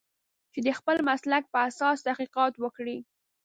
چې د خپل مسلک په اساس تحقیقات وکړي.